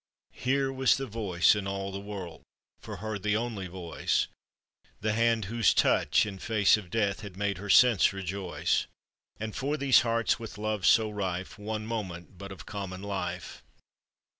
Here was the voice in all the world, For her the only voice — The hand whose touch in face of death Had made her sense rejoice; And for these hearts with love so rife, One moment but of common life